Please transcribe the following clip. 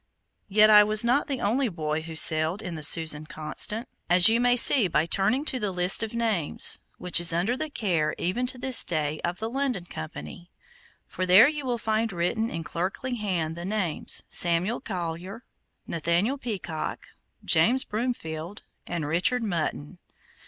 Yet I was not the only boy who sailed in the Susan Constant, as you may see by turning to the list of names, which is under the care, even to this day, of the London Company, for there you will find written in clerkly hand the names Samuel Collier, Nathaniel Peacock, James Brumfield, and Richard Mutton.